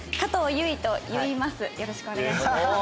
よろしくお願いします。